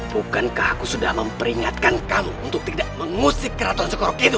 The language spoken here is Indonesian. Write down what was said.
bukankah aku sudah memperingatkan kamu untuk tidak mengusik keraton sekorok itu